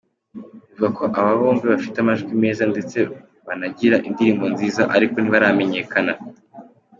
Bivugwa ko aba bombi bafite amajwi meza ndetse banagira indirimbo nziza ariko ntibaramenyekana.